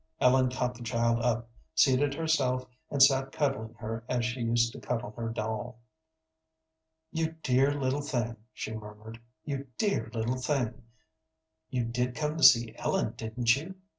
Ellen caught the child up, seated herself, and sat cuddling her as she used to cuddle her doll. "You dear little thing!" she murmured, "you dear little thing! You did come to see Ellen, didn't you?"